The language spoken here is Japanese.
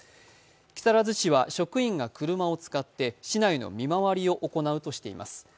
木更津市は職員が車を使って市内の見回りを行うとしています。